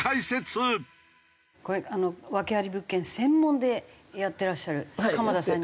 これ訳あり物件専門でやってらっしゃる鎌田さんに。